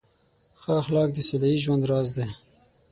ښه اخلاق د سوله ییز ژوند راز دی.